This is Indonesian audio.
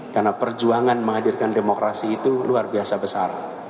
karena perjuangan menghadirkan demokrasi itu luar biasa besar